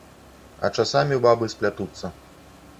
А часамі бабы сплятуцца.